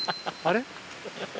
あれ？